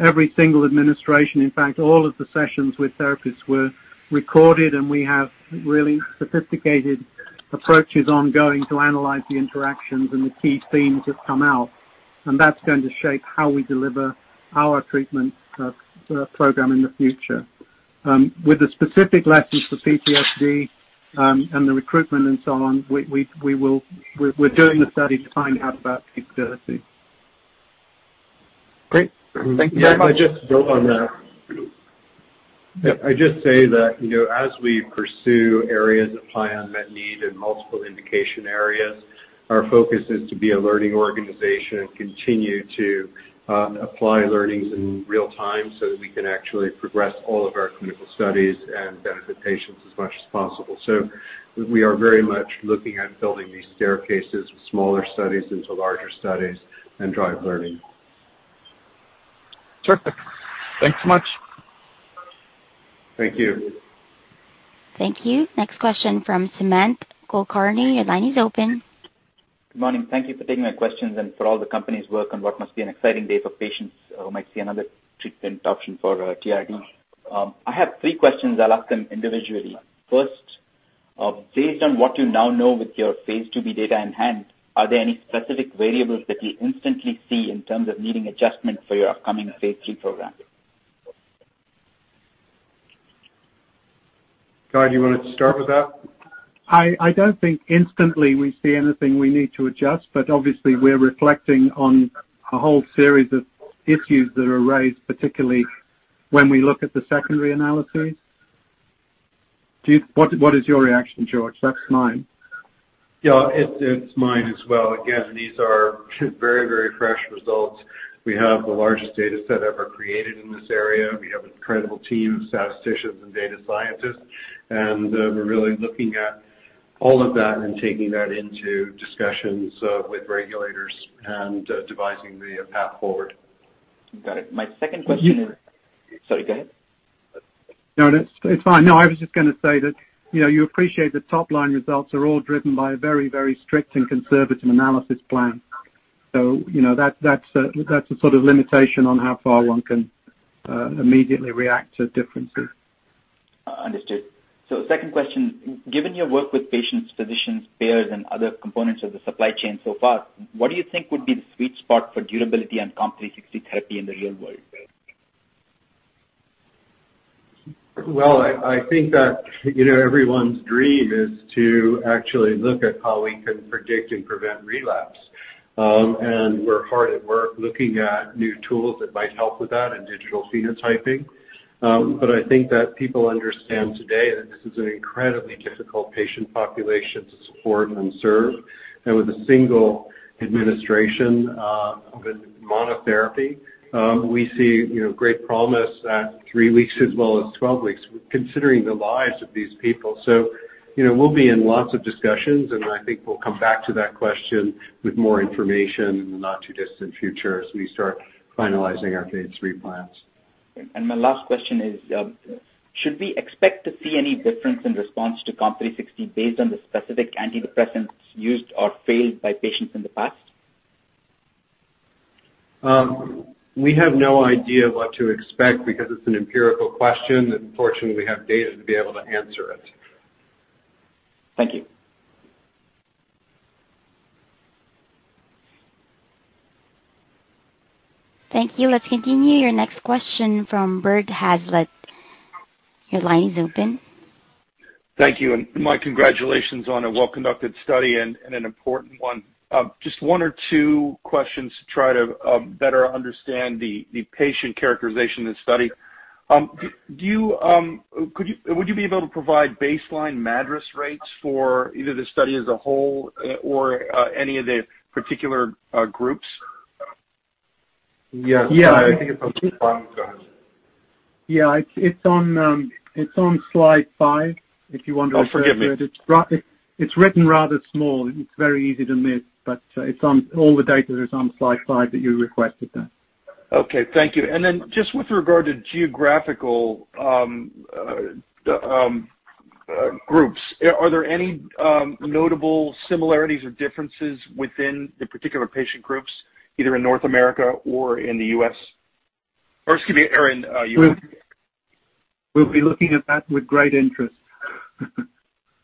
Every single administration, in fact, all of the sessions with therapists were recorded, and we have really sophisticated approaches ongoing to analyze the interactions and the key themes that come out, and that's going to shape how we deliver our treatment program in the future. With the specific lessons for PTSD and the recruitment and so on, we're doing the study to find out about PTSD. Great. Thank you very much. Yeah. May I just build on that? Yep, I'd just say that, you know, as we pursue areas of high unmet need in multiple indication areas, our focus is to be a learning organization and continue to apply learnings in real time so that we can actually progress all of our clinical studies and benefit patients as much as possible. We are very much looking at building these staircases with smaller studies into larger studies and drive learning. Terrific. Thanks so much. Thank you. Thank you. Next question from Sumant Kulkarni. Your line is open. Good morning. Thank you for taking my questions and for all the company's work on what must be an exciting day for patients who might see another treatment option for TRD. I have three questions. I'll ask them individually. First, based on what you now know with your phase IIb data in hand, are there any specific variables that you instantly see in terms of needing adjustment for your upcoming phase III program? Guy Goodwin, do you wanna start with that? I don't think instantly we see anything we need to adjust, but obviously we're reflecting on a whole series of issues that are raised, particularly when we look at the secondary analyses. What is your reaction, George? That's mine. Yeah, it's mine as well. Again, these are very fresh results. We have the largest data set ever created in this area. We have an incredible team of statisticians and data scientists, and we're really looking at all of that and taking that into discussions with regulators and devising the path forward. Got it. My second question. You- Sorry, go ahead. No, it's fine. No, I was just gonna say that, you know, you appreciate the top line results are all driven by a very, very strict and conservative analysis plan. You know, that's a sort of limitation on how far one can immediately react to differences. Understood. Second question. Given your work with patients, physicians, payers, and other components of the supply chain so far, what do you think would be the sweet spot for durability and COMP360 therapy in the real world? I think that, you know, everyone's dream is to actually look at how we can predict and prevent relapse. We're hard at work looking at new tools that might help with that and digital phenotyping. I think that people understand today that this is an incredibly difficult patient population to support and serve. With a single administration of a monotherapy, we see, you know, great promise at three weeks as well as 12 weeks considering the lives of these people. You know, we'll be in lots of discussions, and I think we'll come back to that question with more information in the not-too-distant future as we start finalizing our phase III plans. My last question is, should we expect to see any difference in response to COMP360 based on the specific antidepressants used or failed by patients in the past? We have no idea what to expect because it's an empirical question, and fortunately, we have data to be able to answer it. Thank you. Thank you. Let's continue. Your next question from Bert Hazlett. Your line is open. Thank you, and my congratulations on a well-conducted study and an important one. Just one or two questions to try to better understand the patient characterization in the study. Would you be able to provide baseline MADRS rates for either the study as a whole or any of the particular groups? Yeah. Yeah. I think it's on. Go ahead. Yeah, it's on slide five if you want to- Oh, forgive me. It's written rather small. It's very easy to miss, but it's on all the data is on slide five that you requested there. Okay. Thank you. Just with regard to geographical groups, are there any notable similarities or differences within the particular patient groups, either in North America or in the U.S.? Or excuse me, or in Europe? We'll be looking at that with great interest.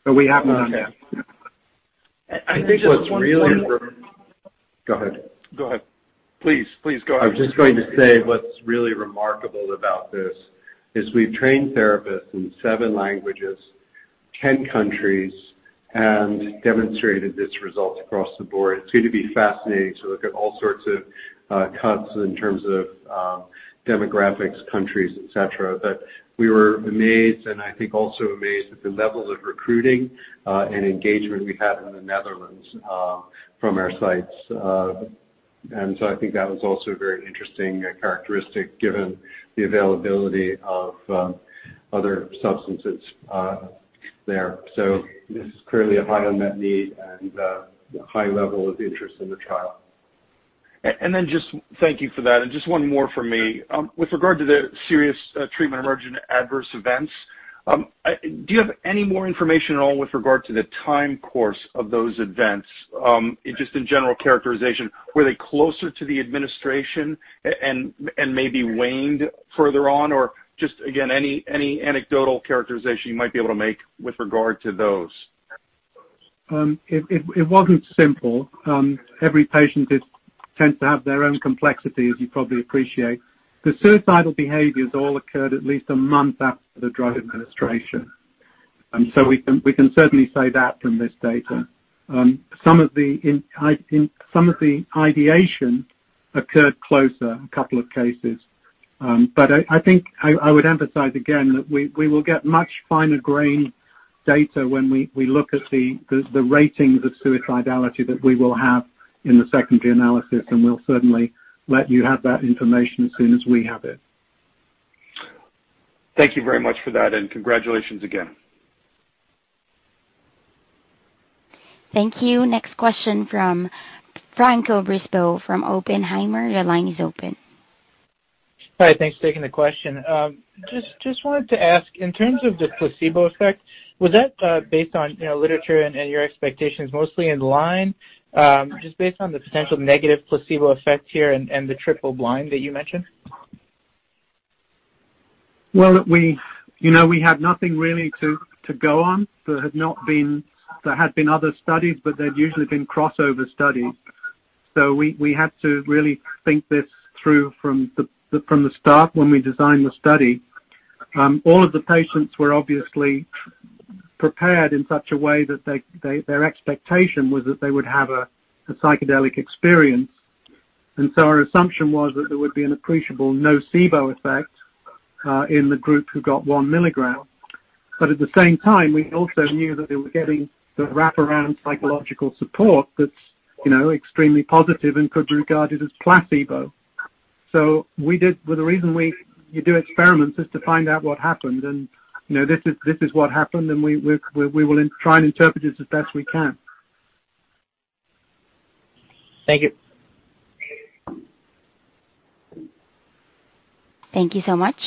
We have none yet. Okay. I think what's really go ahead. Go ahead. Please go ahead. I was just going to say, what's really remarkable about this is we've trained therapists in seven languages, ten countries, and demonstrated this result across the board. It's going to be fascinating to look at all sorts of cuts in terms of demographics, countries, et cetera. We were amazed, and I think also amazed at the level of recruiting and engagement we had in the Netherlands from our sites. I think that was also a very interesting characteristic given the availability of other substances there. This is clearly a high unmet need and a high level of interest in the trial. then just thank you for that. just one more for me. with regard to the serious treatment-emergent adverse events, do you have any more information at all with regard to the time course of those events, just in general characterization? Were they closer to the administration and maybe waned further on or just again, any anecdotal characterization you might be able to make with regard to those? It wasn't simple. Every patient tends to have their own complexity, as you probably appreciate. The suicidal behaviors all occurred at least a month after the drug administration. We can certainly say that from this data. Some of the ideation occurred closer, a couple of cases. I think I would emphasize again that we will get much finer grain data when we look at the ratings of suicidality that we will have in the secondary analysis, and we'll certainly let you have that information as soon as we have it. Thank you very much for that, and congratulations again. Thank you. Next question from François Brisebois from Oppenheimer. Your line is open. Hi. Thanks for taking the question. Just wanted to ask, in terms of the placebo effect, was that based on, you know, literature and your expectations mostly in line, just based on the potential negative placebo effect here and the triple blind that you mentioned? Well, you know, we had nothing really to go on. There had been other studies, but they'd usually been crossover studies. We had to really think this through from the start when we designed the study. All of the patients were obviously prepared in such a way that they their expectation was that they would have a psychedelic experience. Our assumption was that there would be an appreciable nocebo effect in the group who got one milligram. At the same time, we also knew that they were getting the wraparound psychological support that's, you know, extremely positive and could be regarded as placebo. Well, the reason we do experiments is to find out what happened and, you know, this is what happened, and we will try and interpret it as best we can. Thank you. Thank you so much.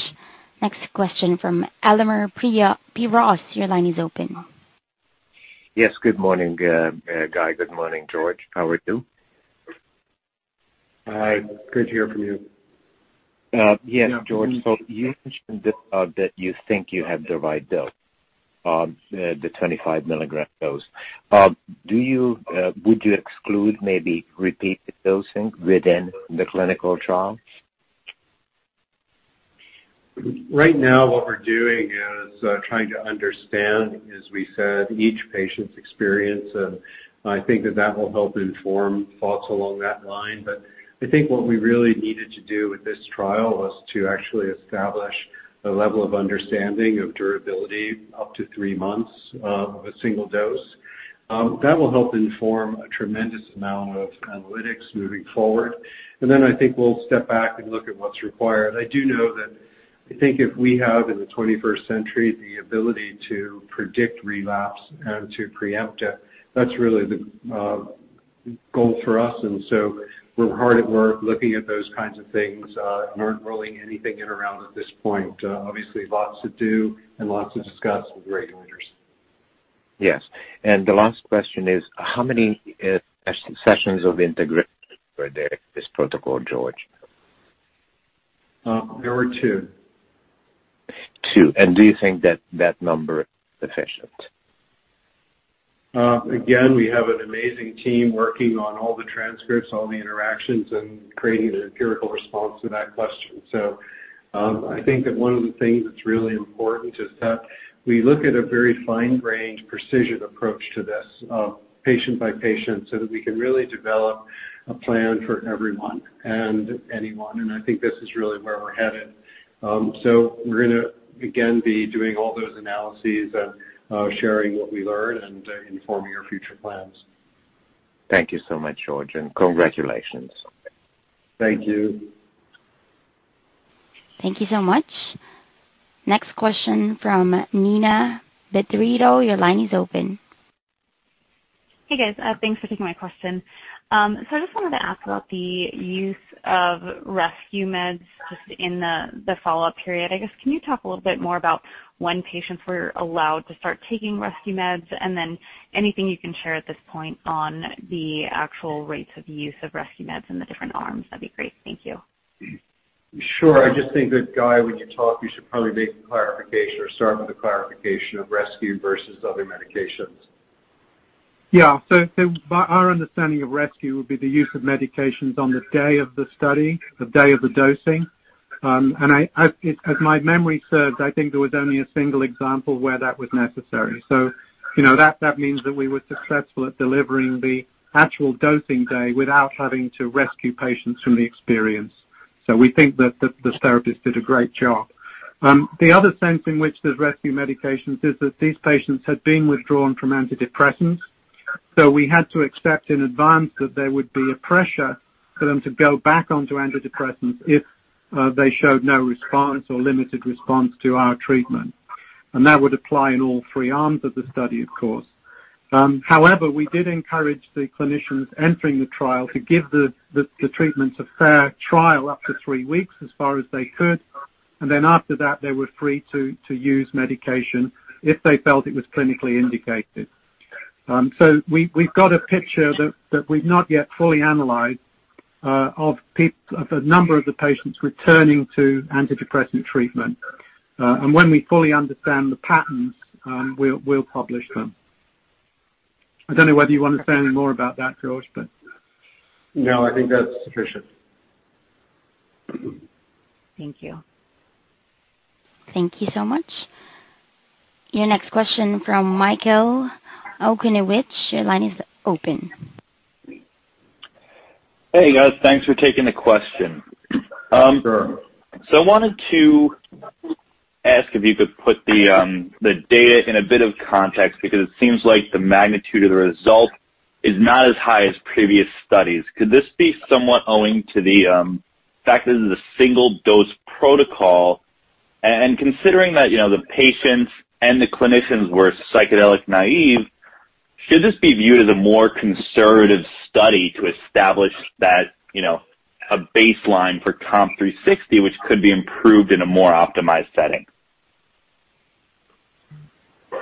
Next question from Elemer Piros. Your line is open. Yes. Good morning, Guy. Good morning, George. How are you? Hi. Good to hear from you. Yes, George. You mentioned that you think you have the right dose, the 25 milligram dose. Would you exclude maybe repeated dosing within the clinical trial? Right now what we're doing is trying to understand, as we said, each patient's experience, and I think that will help inform thoughts along that line. I think what we really needed to do with this trial was to actually establish a level of understanding of durability up to three months of a single dose. That will help inform a tremendous amount of analytics moving forward. Then I think we'll step back and look at what's required. I do know that I think if we have in the 21st century the ability to predict relapse and to preempt it, that's really the goal for us. We're hard at work looking at those kinds of things, not rolling anything in around at this point. Obviously lots to do and lots to discuss with regulators. Yes. The last question is, how many sessions of integration were there in this protocol, George? There were two. Two. Do you think that that number is sufficient? Again, we have an amazing team working on all the transcripts, all the interactions, and creating an empirical response to that question. I think that one of the things that's really important is that we look at a very fine-grained precision approach to this, patient by patient, so that we can really develop a plan for everyone and anyone. I think this is really where we're headed. We're gonna again be doing all those analyses and sharing what we learn and informing our future plans. Thank you so much, George, and congratulations. Thank you. Thank you so much. Next question from Neena Bitritto-Garg. Your line is open. Hey, guys. Thanks for taking my question. I just wanted to ask about the use of rescue meds just in the follow-up period. I guess can you talk a little bit more about when patients were allowed to start taking rescue meds? Anything you can share at this point on the actual rates of use of rescue meds in the different arms, that'd be great. Thank you. Sure. I just think that, Guy, when you talk, you should probably make a clarification or start with a clarification of rescue versus other medications. By our understanding of rescue would be the use of medications on the day of the study, the day of the dosing. If my memory serves, I think there was only a single example where that was necessary. You know that means that we were successful at delivering the actual dosing day without having to rescue patients from the experience. We think that this therapist did a great job. The other sense in which there's rescue medications is that these patients had been withdrawn from antidepressants, so we had to accept in advance that there would be a pressure for them to go back onto antidepressants if they showed no response or limited response to our treatment. That would apply in all three arms of the study, of course. However, we did encourage the clinicians entering the trial to give the treatments a fair trial up to three weeks as far as they could, and then after that, they were free to use medication if they felt it was clinically indicated. We've got a picture that we've not yet fully analyzed of a number of the patients returning to antidepressant treatment. When we fully understand the patterns, we'll publish them. I don't know whether you want to say any more about that, George, but. No, I think that's sufficient. Thank you. Thank you so much. Your next question from Michael Okunewitch. Your line is open. Hey, guys. Thanks for taking the question. Sure. I wanted to ask if you could put the data in a bit of context because it seems like the magnitude of the result is not as high as previous studies. Could this be somewhat owing to the fact that this is a single dose protocol? And considering that, you know, the patients and the clinicians were psychedelic naive, should this be viewed as a more conservative study to establish that, you know, a baseline for COMP360, which could be improved in a more optimized setting?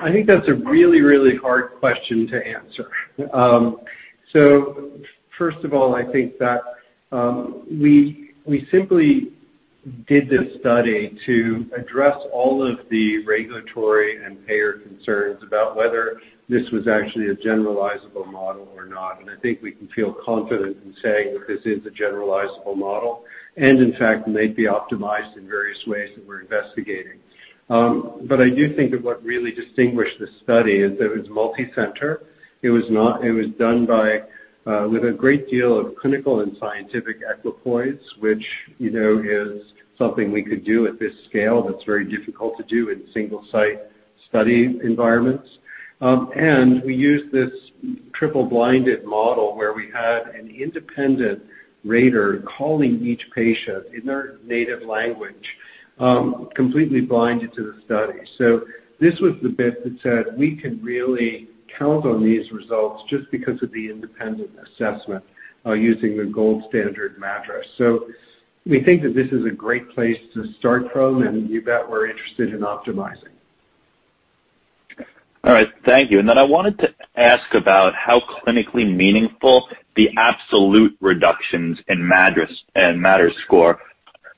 I think that's a really, really hard question to answer. First of all, I think that we simply did this study to address all of the regulatory and payer concerns about whether this was actually a generalizable model or not. I think we can feel confident in saying that this is a generalizable model, and in fact may be optimized in various ways that we're investigating. I do think that what really distinguished this study is that it was multicenter. It was done with a great deal of clinical and scientific equipoise, which you know is something we could do at this scale that's very difficult to do in single site study environments. We used this triple-blinded model where we had an independent rater calling each patient in their native language, completely blinded to the study. This was the bit that said, we can really count on these results just because of the independent assessment, using the gold standard MADRS. We think that this is a great place to start from, and you bet we're interested in optimizing. All right. Thank you. I wanted to ask about how clinically meaningful the absolute reductions in MADRS score,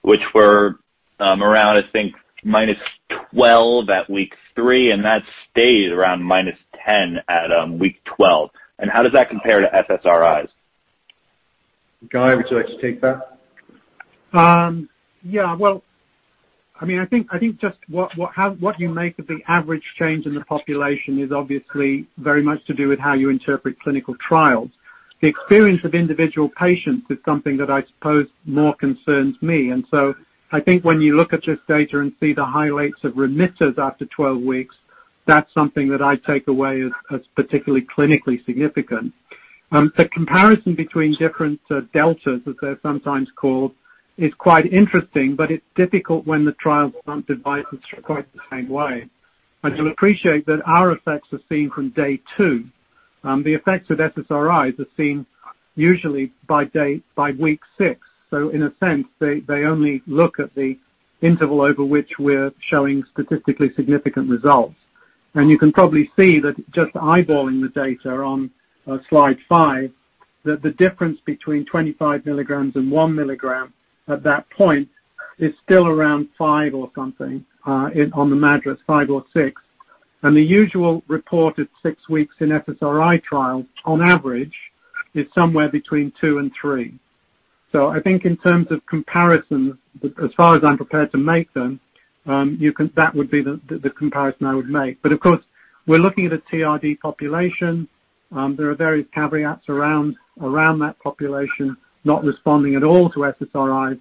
which were around, I think, -12 at week three, and that stayed around -10 at week 12. How does that compare to SSRIs? Guy, would you like to take that? Yeah. Well, I mean, I think just what you make of the average change in the population is obviously very much to do with how you interpret clinical trials. The experience of individual patients is something that I suppose more concerns me. I think when you look at this data and see the high rates of remitters after 12 weeks, that's something that I take away as particularly clinically significant. The comparison between different deltas, as they're sometimes called, is quite interesting, but it's difficult when the trials aren't designed quite the same way. You'll appreciate that our effects are seen from day two. The effects of SSRIs are seen usually by week six. So in a sense, they only look at the interval over which we're showing statistically significant results. You can probably see that just eyeballing the data on slide five, that the difference between 25 milligrams and 1 milligram at that point is still around five or something on the MADRS, five or six. The usual reported six weeks in SSRI trial on average is somewhere between two and three. I think in terms of comparison, as far as I'm prepared to make them, that would be the comparison I would make. But of course, we're looking at a TRD population. There are various caveats around that population not responding at all to SSRIs,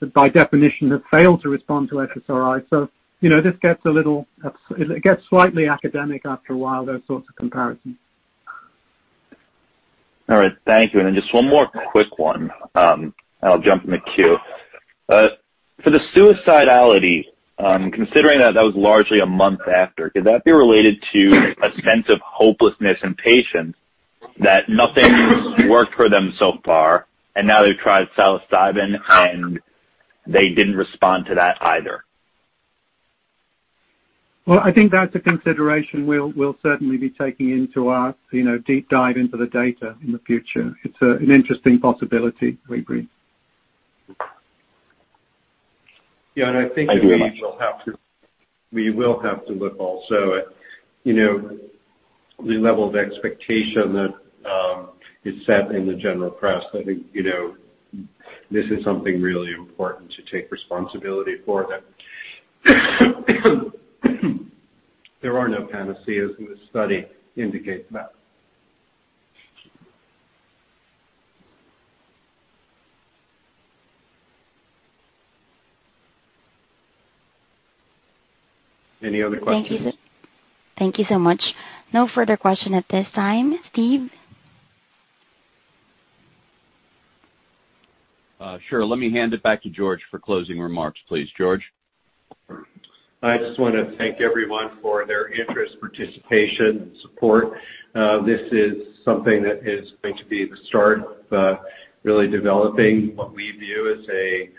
but by definition have failed to respond to SSRIs. You know, this gets a little, it gets slightly academic after a while, those sorts of comparisons. All right. Thank you. Just one more quick one. I'll jump in the queue. For the suicidality, considering that that was largely a month after, could that be related to a sense of hopelessness in patients that nothing worked for them so far, and now they've tried psilocybin, and they didn't respond to that either? Well, I think that's a consideration we'll certainly be taking into our, you know, deep dive into the data in the future. It's an interesting possibility, we agree. Thank you very much. Yeah, I think we will have to look also at, you know, the level of expectation that is set in the general press. I think, you know, this is something really important to take responsibility for that there are no panaceas, and this study indicates that. Any other questions? Thank you. Thank you so much. No further question at this time. Steve? Sure. Let me hand it back to George for closing remarks, please. George? I just wanna thank everyone for their interest, participation, and support. This is something that is going to be the start of, really developing what we view as a,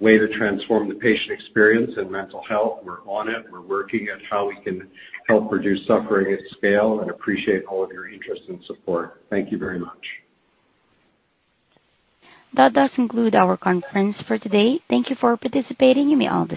way to transform the patient experience in mental health. We're on it. We're working at how we can help reduce suffering at scale and appreciate all of your interest and support. Thank you very much. That does conclude our conference for today. Thank you for participating. You may all disconnect.